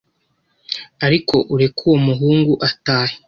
ariko ureke uwo muhungu atahe